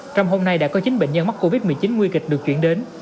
trong hôm nay đã có chín bệnh nhân mắc covid một mươi chín nguy kịch được chuyển đến